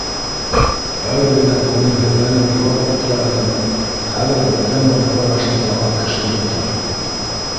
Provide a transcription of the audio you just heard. Әле генә күңелһеҙләнеп, илап ултыра инек, хәҙер беҙҙән дә нығыраҡ шатланған кеше юҡтыр.